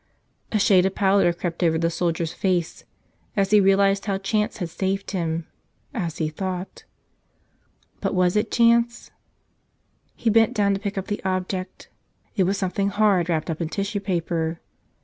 A shade of pallor crept over the soldier's face as he realized how chance had saved him — as he thought. But was it chance? He bent down to pick up the object. It was some¬ thing hard wrapped in tissue paper.